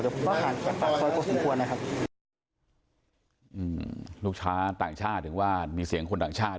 แต่ผมก็ห่างจากปากซอยพอสมควรนะครับอืมลูกค้าต่างชาติถึงว่ามีเสียงคนต่างชาติ